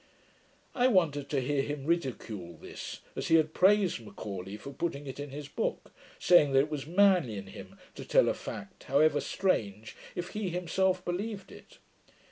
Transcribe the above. I wondered to hear him ridicule this, as he had praised M'Aulay 247 for putting it in his book: saying, that it was manly in him to tell a fact, however strange, if he himself believed it.